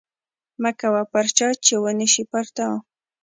مه کوه پر چا چې ونشي پر تا